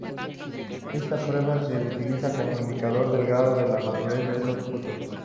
Esta prueba se utiliza como indicador del grado de madurez de los frutos.